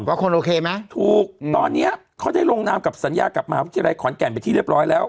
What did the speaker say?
คนโอเคไหมถูกตอนนี้เขาได้ลงนามกับสัญญากับมหาวิทยาลัยขอนแก่นไปที่เรียบร้อยแล้ว